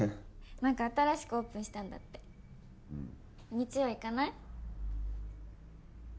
何か新しくオープンしたんだってうん日曜行かない？